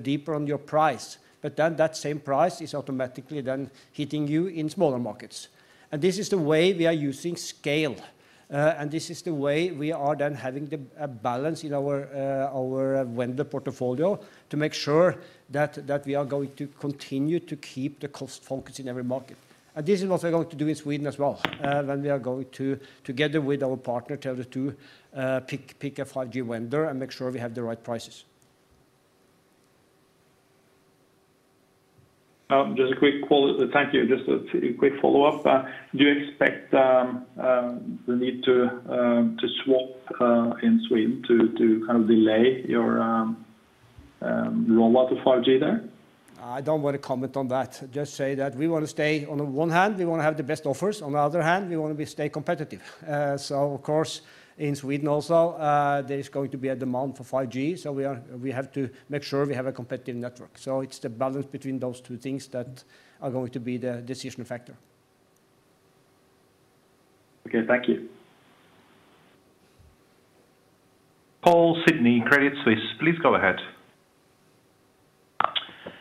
deeper on your price. That same price is automatically then hitting you in smaller markets. This is the way we are using scale. This is the way we are then having a balance in our vendor portfolio to make sure that we are going to continue to keep the cost focus in every market. This is what we're going to do in Sweden as well, when we are going to, together with our partner, Tele2, pick a 5G vendor and make sure we have the right prices. Thank you. Just a quick follow-up. Do you expect the need to swap in Sweden to delay your roll-out of 5G there? I don't want to comment on that. Just say that we want to stay, on the one hand, we want to have the best offers. On the other hand, we want to stay competitive. Of course, in Sweden also, there is going to be a demand for 5G. We have to make sure we have a competitive network. It's the balance between those two things that are going to be the decision factor. Okay. Thank you. Paul Sidney, Credit Suisse. Please go ahead.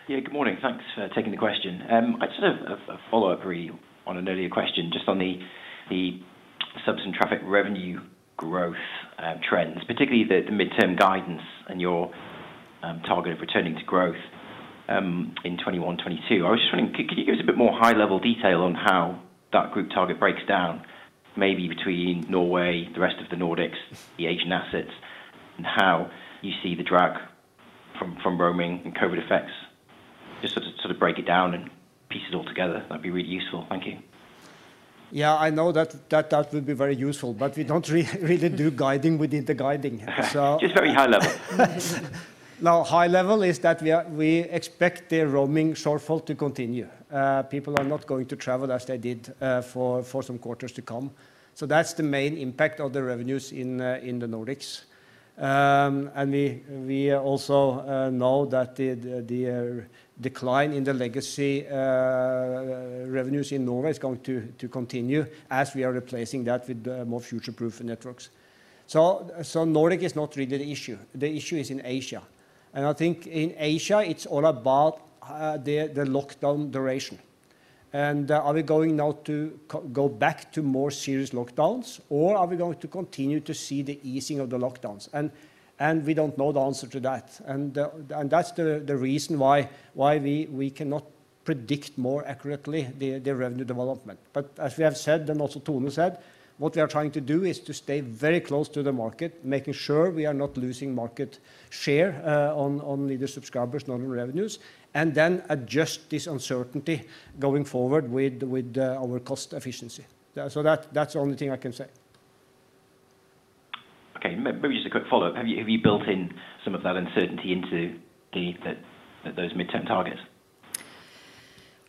Yeah, good morning. Thanks for taking the question. I just have a follow-up, really, on an earlier question, just on the subs and traffic revenue growth trends, particularly the midterm guidance and your target of returning to growth in 2021, 2022. I was just wondering, could you give us a bit more high-level detail on how that group target breaks down, maybe between Norway, the rest of the Nordics, the Asian assets, and how you see the drag from roaming and COVID-19 effects? Just to break it down and piece it all together. That'd be really useful. Thank you. Yeah, I know that would be very useful, but we don't really do guiding within the guiding. Just very high level. No, high level is that we expect the roaming shortfall to continue. People are not going to travel as they did for some quarters to come. That's the main impact of the revenues in the Nordics. We also know that the decline in the legacy revenues in Norway is going to continue as we are replacing that with more future-proof networks. Nordic is not really the issue. The issue is in Asia. I think in Asia, it's all about the lockdown duration. Are we going now to go back to more serious lockdowns, or are we going to continue to see the easing of the lockdowns? We don't know the answer to that. That's the reason why we cannot predict more accurately the revenue development. As we have said, and also Tone said, what we are trying to do is to stay very close to the market, making sure we are not losing market share on the subscribers' normal revenues, and then adjust this uncertainty going forward with our cost efficiency. That's only thing I can say. Okay. Maybe just a quick follow-up. Have you built in some of that uncertainty into those midterm targets?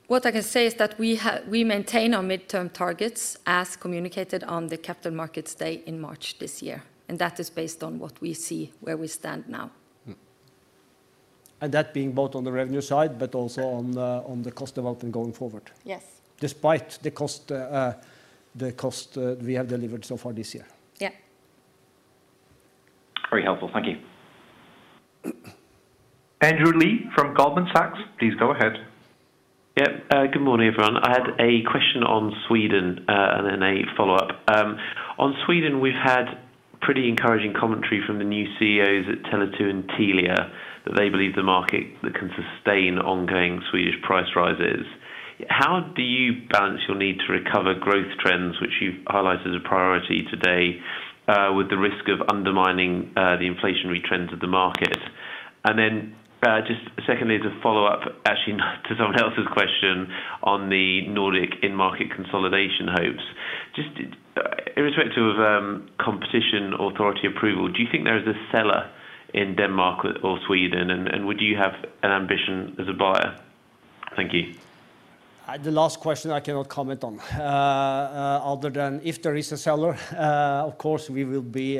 What I can say is that we maintain our midterm targets as communicated on the Capital Markets Day in March this year. That is based on what we see where we stand now. That being both on the revenue side, but also on the cost development going forward. Yes. Despite the cost we have delivered so far this year. Yeah. Very helpful. Thank you. Andrew Lee from Goldman Sachs. Please go ahead. Yeah. Good morning, everyone. I had a question on Sweden, then a follow-up. On Sweden, we've had pretty encouraging commentary from the new CEOs at Tele2 and Telia that they believe the market can sustain ongoing Swedish price rises. How do you balance your need to recover growth trends, which you've highlighted as a priority today, with the risk of undermining the inflationary trends of the market? Just secondly, as a follow-up, actually to someone else's question on the Nordic in-market consolidation hopes. Just irrespective of Competition Authority approval, do you think there is a seller in Denmark or Sweden, and would you have an ambition as a buyer? Thank you. The last question I cannot comment on. Other than if there is a seller, of course, we will be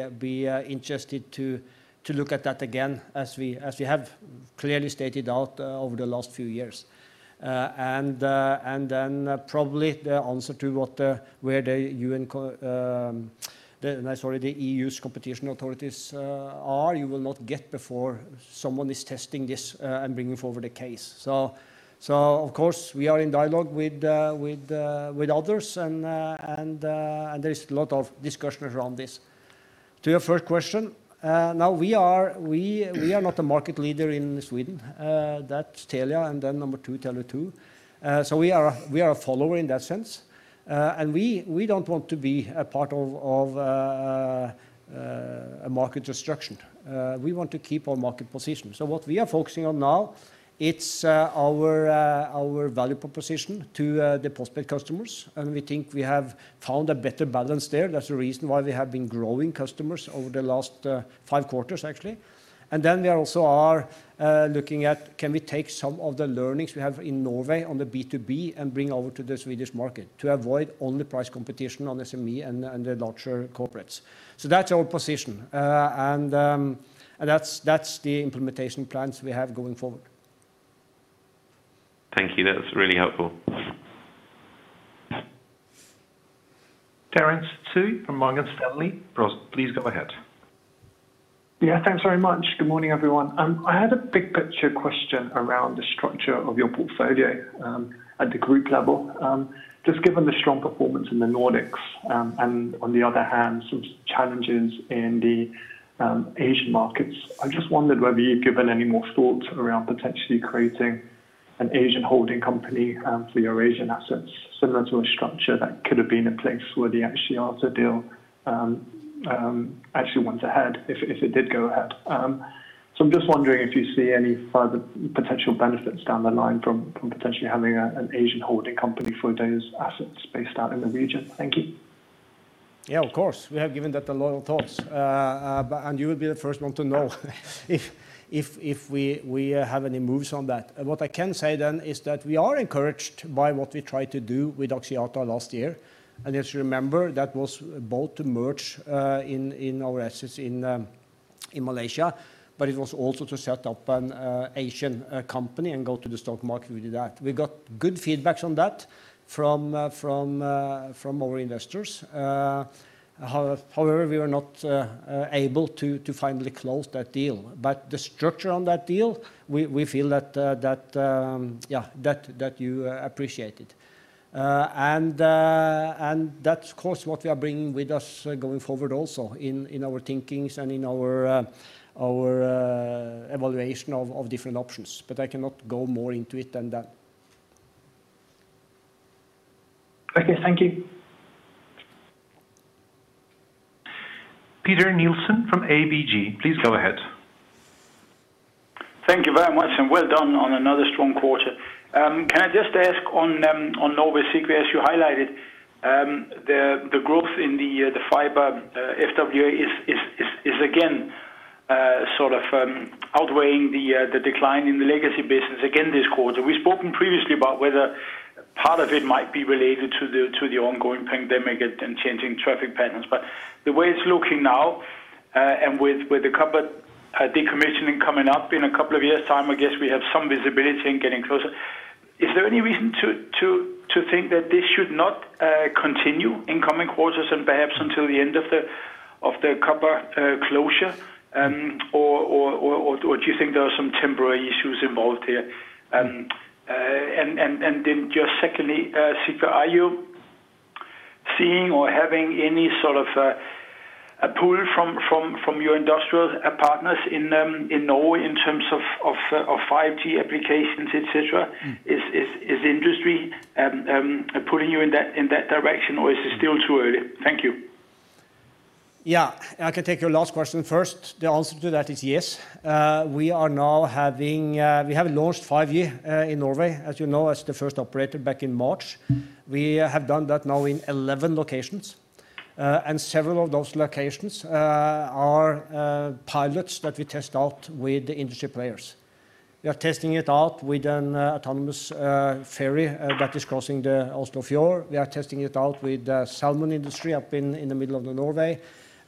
interested to look at that again, as we have clearly stated out over the last few years. Probably the answer to where the EU's competition authorities are, you will not get before someone is testing this and bringing forward a case. Of course, we are in dialogue with others, and there is a lot of discussions around this. To your first question, now we are not a market leader in Sweden. That's Telia, and then number two, Tele2. We are a follower in that sense. We don't want to be a part of a market destruction. We want to keep our market position. What we are focusing on now, it's our value proposition to the prospective customers, and we think we have found a better balance there. That's the reason why we have been growing customers over the last five quarters, actually. We also are looking at can we take some of the learnings we have in Norway on the B2B and bring over to the Swedish market to avoid only price competition on SME and the larger corporates. That's our position. That's the implementation plans we have going forward. Thank you. That's really helpful. Terence Tsui from Morgan Stanley. Please go ahead. Yeah, thanks very much. Good morning, everyone. I had a big picture question around the structure of your portfolio at the group level. Just given the strong performance in the Nordics, and on the other hand, some challenges in the Asian markets. I just wondered whether you'd given any more thought around potentially creating an Asian holding company for your Asian assets, similar to a structure that could have been in place for the Axiata deal, actually went ahead if it did go ahead. I'm just wondering if you see any further potential benefits down the line from potentially having an Asian holding company for those assets based out in the region. Thank you. Yeah, of course. We have given that a lot of thoughts. You will be the first one to know if we have any moves on that. What I can say then is that we are encouraged by what we tried to do with Axiata last year. As you remember, that was both to merge in our assets in Malaysia, but it was also to set up an Asian company and go to the stock market. We did that. We got good feedback on that from our investors. However, we were not able to finally close that deal. The structure on that deal, we feel that you appreciate it. That's of course, what we are bringing with us going forward also in our thinking and in our evaluation of different options. I cannot go more into it than that. Okay. Thank you. Peter Nielsen from ABG. Please go ahead. Thank you very much. Well done on another strong quarter. Can I just ask on Norway, Sigve, as you highlighted, the growth in the fiber FWA is again sort of outweighing the decline in the legacy business again this quarter. We've spoken previously about whether part of it might be related to the ongoing pandemic and changing traffic patterns. The way it's looking now, and with the copper decommissioning coming up in a couple of years time, I guess we have some visibility in getting closer. Is there any reason to think that this should not continue in coming quarters and perhaps until the end of the copper closure? Do you think there are some temporary issues involved here? Just secondly, Sigve, are you seeing or having any sort of a pull from your industrial partners in Norway in terms of 5G applications, et cetera? Is industry pulling you in that direction, or is it still too early? Thank you. I can take your last question first. The answer to that is yes. We have launched 5G in Norway, as you know, as the first operator back in March. We have done that now in 11 locations. Several of those locations are pilots that we test out with the industry players. We are testing it out with an autonomous ferry that is crossing the Oslo Fjord. We are testing it out with a salmon industry up in the middle of Norway.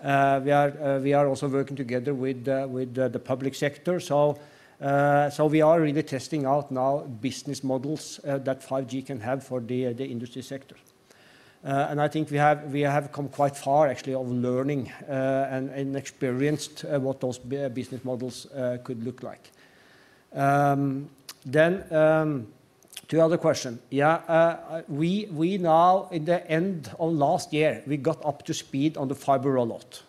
We are also working together with the public sector. We are really testing out now business models that 5G can have for the industry sector. I think we have come quite far, actually, on learning and experienced what those business models could look like. To your other question. We now, in the end of last year, we got up to speed on the fiber rollout.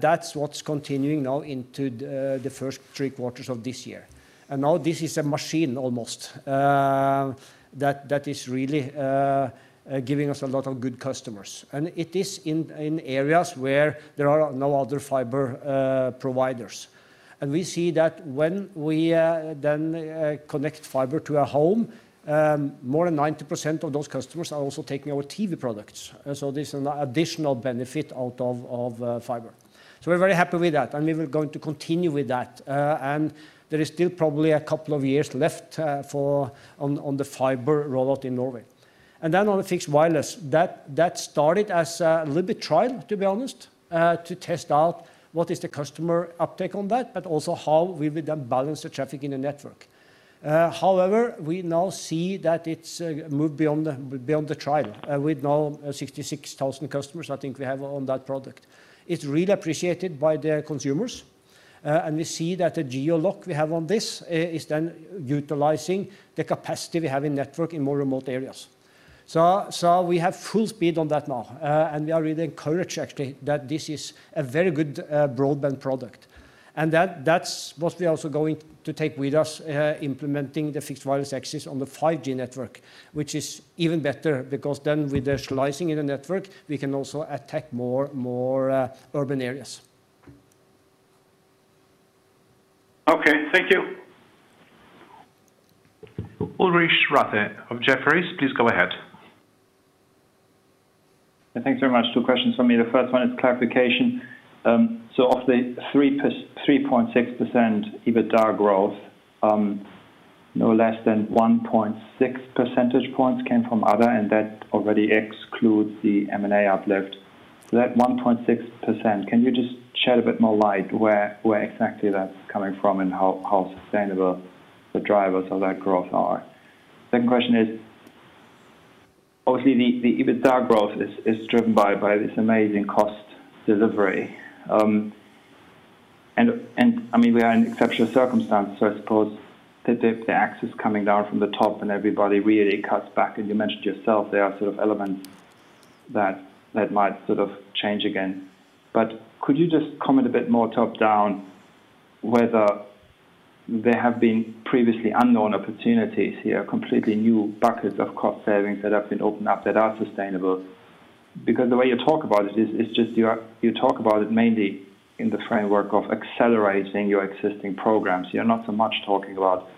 That's what's continuing now into the first three quarters of this year. Now this is a machine almost that is really giving us a lot of good customers. It is in areas where there are no other fiber providers. We see that when we then connect fiber to a home, more than 90% of those customers are also taking our TV products. There's an additional benefit out of fiber. We're very happy with that, and we're going to continue with that. There is still probably a couple of years left on the fiber rollout in Norway. On the fixed wireless, that started as a little bit trial, to be honest, to test out what is the customer uptake on that, but also how we would then balance the traffic in the network. We now see that it's moved beyond the trial with now 66,000 customers, I think we have on that product. It's really appreciated by the consumers. We see that the geo lock we have on this is then utilizing the capacity we have in network in more remote areas. We have full speed on that now. We are really encouraged actually, that this is a very good broadband product. That's what we're also going to take with us implementing the fixed wireless access on the 5G network, which is even better because then with virtualizing in the network, we can also attack more urban areas. Okay. Thank you. Ulrich Rathe of Jefferies, please go ahead. Thanks very much. Two questions from me. The first one is clarification. Of the 3.6% EBITDA growth, no less than 1.6 percentage points came from other, and that already excludes the M&A uplift. That 1.6%, can you just shed a bit more light where exactly that's coming from and how sustainable the drivers of that growth are? Second question is- Obviously, the EBITDA growth is driven by this amazing cost delivery. We are in exceptional circumstances, so I suppose the axe is coming down from the top and everybody really cuts back, and you mentioned yourself there are elements that might change again. Could you just comment a bit more top-down whether there have been previously unknown opportunities here, completely new buckets of cost savings that have been opened up that are sustainable? The way you talk about it is just you talk about it mainly in the framework of accelerating your existing programs. You're not so much talking about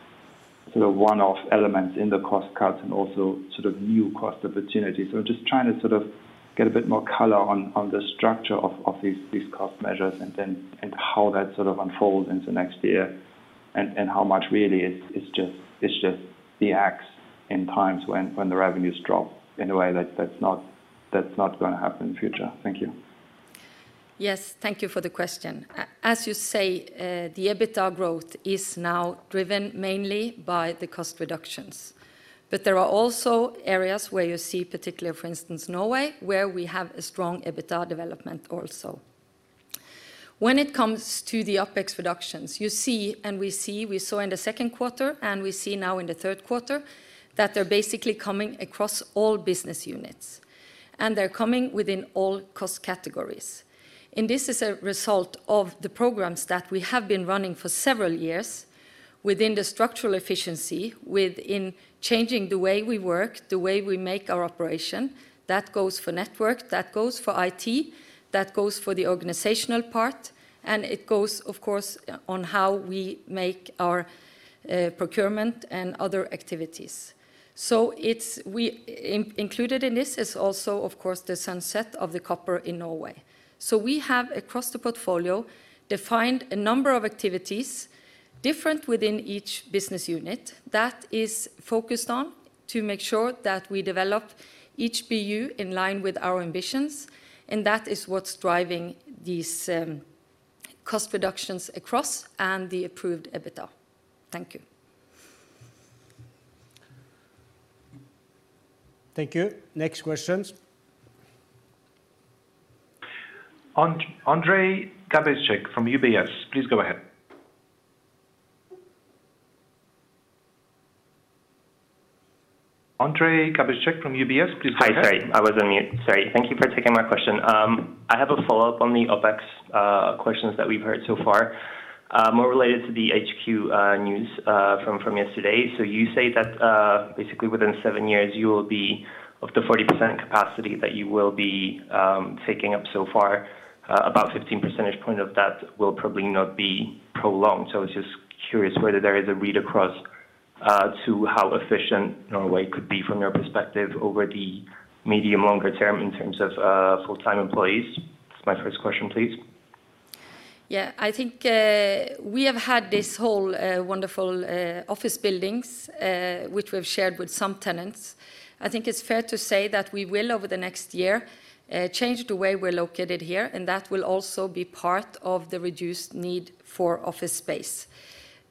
one-off elements in the cost cuts and also new cost opportunities. Just trying to get a bit more color on the structure of these cost measures and how that unfolds into next year and how much really it's just the axe in times when the revenues drop in a way that's not going to happen in the future. Thank you. Yes. Thank you for the question. As you say, the EBITDA growth is now driven mainly by the cost reductions. There are also areas where you see, particularly for instance, Norway, where we have a strong EBITDA development also. When it comes to the OpEx reductions, you see, and we see, we saw in the second quarter, and we see now in the third quarter that they're basically coming across all business units. They're coming within all cost categories. This is a result of the programs that we have been running for several years within the structural efficiency, within changing the way we work, the way we make our operation. That goes for network, that goes for IT, that goes for the organizational part, and it goes, of course, on how we make our procurement and other activities. Included in this is also, of course, the sunset of the copper in Norway. We have, across the portfolio, defined a number of activities different within each business unit that is focused on to make sure that we develop each BU in line with our ambitions, and that is what's driving these cost reductions across and the improved EBITDA. Thank you. Thank you. Next questions. Ondrej Cabejsek from UBS. Please go ahead. Hi. Sorry, I was on mute. Sorry. Thank you for taking my question. I have a follow-up on the OpEx questions that we've heard so far. More related to the HQ news from yesterday. You say that basically within seven years you will be of the 40% capacity that you will be taking up so far. About 15 percentage point of that will probably not be prolonged. I was just curious whether there is a read across to how efficient Norway could be from your perspective over the medium, longer term in terms of full-time employees. That's my first question, please. I think we have had this whole wonderful office buildings, which we've shared with some tenants. I think it's fair to say that we will, over the next year, change the way we're located here, and that will also be part of the reduced need for office space.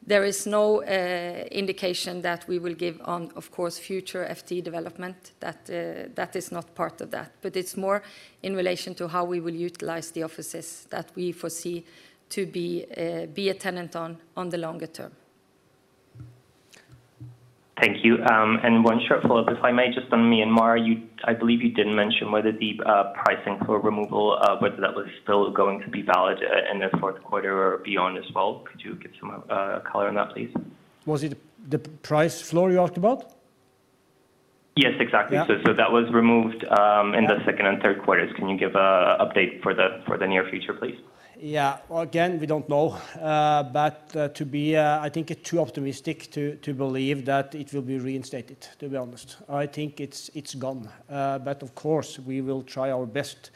There is no indication that we will give on, of course, future FTE development. That is not part of that. It's more in relation to how we will utilize the offices that we foresee to be a tenant on the longer term. Thank you. One short follow-up, if I may, just on Myanmar. I believe you didn't mention whether the pricing floor removal, whether that was still going to be valid in the fourth quarter or beyond as well. Could you give some color on that, please? Was it the price floor you asked about? Yes, exactly. Yeah. That was removed in the second and third quarters. Can you give a update for the near future, please? Yeah. Well, again, we don't know. I think too optimistic to believe that it will be reinstated, to be honest. I think it's gone. Of course, we will try our best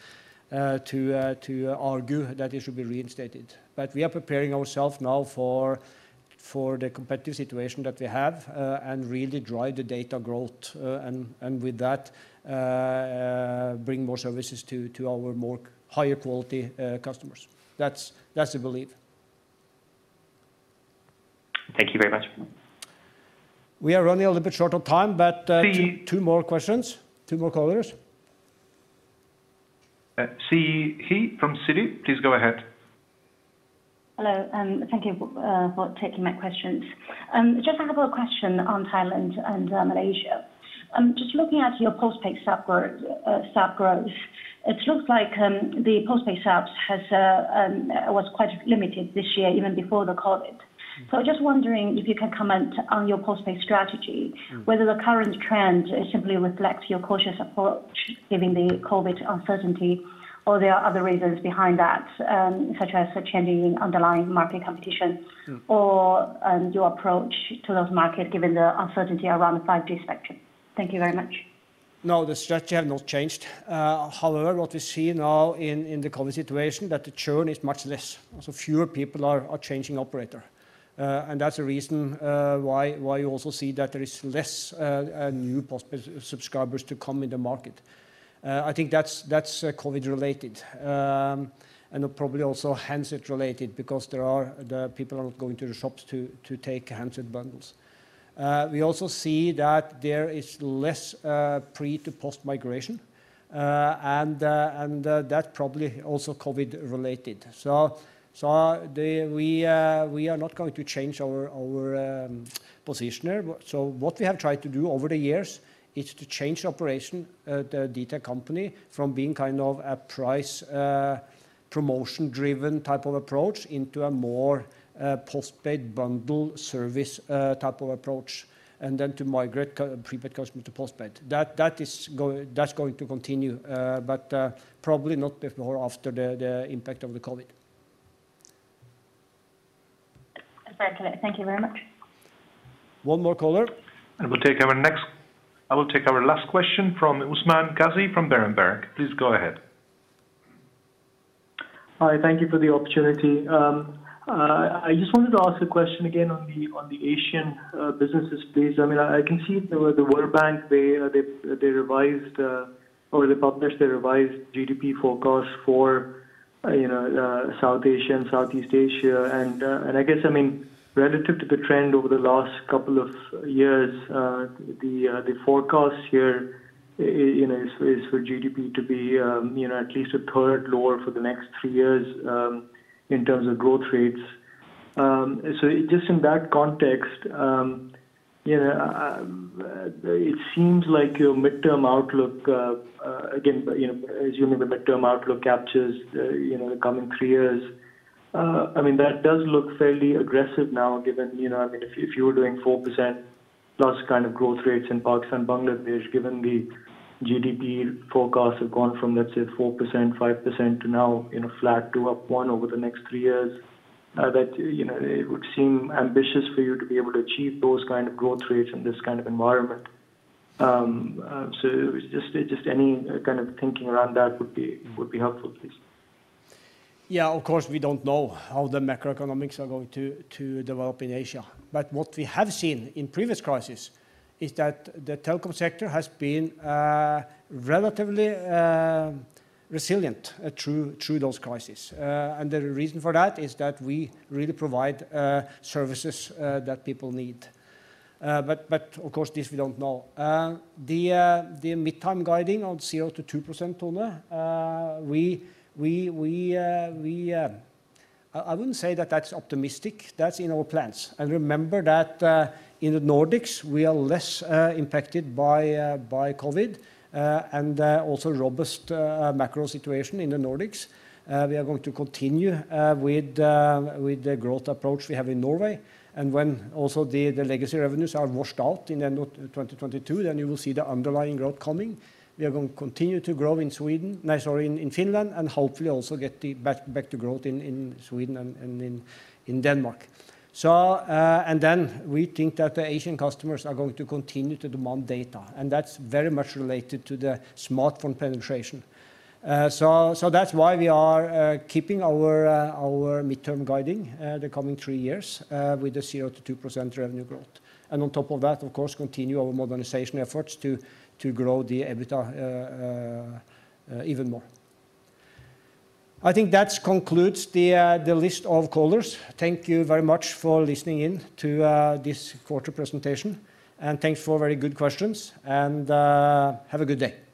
to argue that it should be reinstated. We are preparing ourselves now for the competitive situation that we have, and really drive the data growth, and with that, bring more services to our more higher quality customers. That's the belief. Thank you very much. We are running a little bit short on time. two more questions. Two more callers. Siyi He from Citi. Please go ahead. Hello, and thank you for taking my questions. Just I have a question on Thailand and Malaysia. Just looking at your postpaid subs growth. It looks like the postpaid subs was quite limited this year, even before the COVID. Just wondering if you can comment on your postpaid strategy, whether the current trend simply reflects your cautious approach given the COVID uncertainty, or there are other reasons behind that, such as the changing underlying market competition or your approach to those market given the uncertainty around the 5G spectrum. Thank you very much. No, the strategy have not changed. However, what we see now in the COVID situation, that the churn is much less. Fewer people are changing operator. That's the reason why you also see that there is less new possible subscribers to come in the market. I think that's COVID related, and probably also handset related because people are not going to the shops to take handset bundles. We also see that there is less pre to post-migration, and that probably also COVID related. We are not going to change our position there. What we have tried to do over the years is to change the operation of the dtac company from being a price promotion driven type of approach into a more postpaid bundle service type of approach, and then to migrate prepaid customer to postpaid. That's going to continue, but probably not before or after the impact of the COVID. Perfect. Thank you very much. One more caller. I will take our last question from Usman Ghazi from Berenberg. Please go ahead. Hi, thank you for the opportunity. I just wanted to ask a question again on the Asian businesses please. I can see the World Bank, they revised, or they published the revised GDP forecast for South Asia and Southeast Asia. I guess, relative to the trend over the last couple of years, the forecast here is for GDP to be at least a third lower for the next three years, in terms of growth rates. Just in that context, it seems like your midterm outlook, again, assuming the midterm outlook captures the coming three years, that does look fairly aggressive now, given if you were doing 4%+ kind of growth rates in Pakistan, Bangladesh, given the GDP forecasts have gone from, let's say, 4%, 5% to now flat to up one over the next three years, that it would seem ambitious for you to be able to achieve those kind of growth rates in this kind of environment. Just any kind of thinking around that would be helpful, please. Yeah, of course, we don't know how the macroeconomics are going to develop in Asia. What we have seen in previous crises is that the telecom sector has been relatively resilient through those crises. The reason for that is that we really provide services that people need. Of course, this we don't know. The midterm guiding on 0%-2%, Tone. I wouldn't say that that's optimistic. That's in our plans. Remember that in the Nordics we are less impacted by COVID-19, and also robust macro situation in the Nordics. We are going to continue with the growth approach we have in Norway. When also the legacy revenues are washed out in the end of 2022, you will see the underlying growth coming. We are going to continue to grow in Sweden, sorry, in Finland, and hopefully also get back to growth in Sweden and in Denmark. We think that the Asian customers are going to continue to demand data, and that's very much related to the smartphone penetration. That's why we are keeping our midterm guiding the coming three years with the 0%-2% revenue growth. On top of that, of course, continue our modernization efforts to grow the EBITDA even more. I think that concludes the list of callers. Thank you very much for listening in to this quarter presentation, and thanks for very good questions, and have a good day.